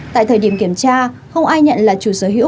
tổ chức tham gia không ai nhận là chủ sở hữu